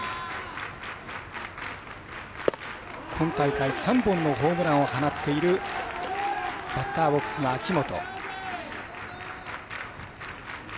今大会、３本のホームランを放っているバッターボックスの秋元。